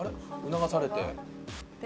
促されて。